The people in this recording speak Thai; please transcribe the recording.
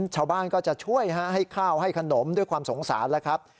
ชาวบ้านก็จะช่วยให้ข้าวให้ขนมด้วยความสงสารแล้วครับ